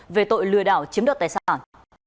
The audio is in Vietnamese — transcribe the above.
về tội lừa đảo chiếm đợt tài sản